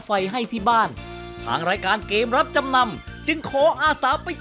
ไฟให้ที่บ้านทางรายการเกมรับจำนำจึงขออาสาไป